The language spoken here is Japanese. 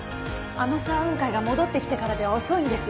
天沢雲海が戻ってきてからでは遅いんです。